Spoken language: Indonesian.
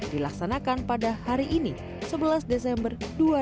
dilaksanakan pada hari ini sebelas desember dua ribu dua puluh